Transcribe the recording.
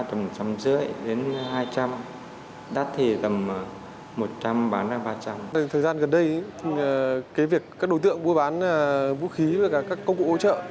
thời gian gần đây việc các đối tượng mua bán vũ khí và các công cụ hỗ trợ